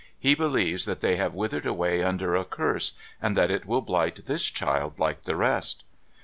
He believes that they have withered away under a curse, and that it will blight tliis child like the rest.'